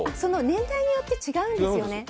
年代によって違うんですよね。